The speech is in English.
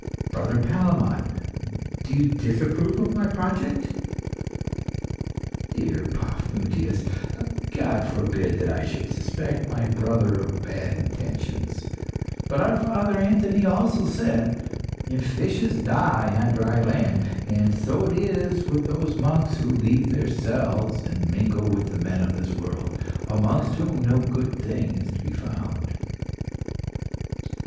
'" "Brother Palemon, do you disapprove of my project?" "Dear Paphnutius, God forbid that I should suspect my brother of bad intentions. But our father Anthony also said, 'Fishes die on dry land, and so is it with those monks who leave their cells and mingle with the men of this world, amongst whom no good thing is to be found.